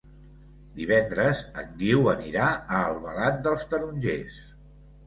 Divendres en Guiu anirà a Albalat dels Tarongers.